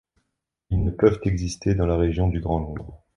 Ils ne peuvent exister dans la région du Grand Londres.